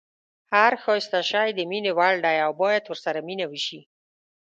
هر ښایسته شی د مینې وړ دی او باید ورسره مینه وشي.